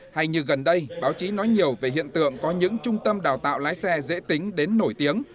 hay như gần đây báo chí nói nhiều về hiện tượng có những trung tâm đào tạo lái xe dễ tính đến nổi tiếng